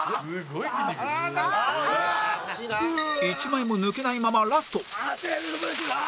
１枚も抜けないままラストあ